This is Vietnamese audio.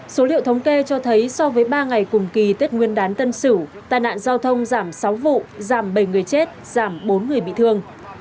số liệu thống kê cho thấy so với ba ngày cùng kỳ tết nguyên đán tân sửu tai nạn giao thông giảm sáu vụ giảm bảy người chết giảm bốn người bị thương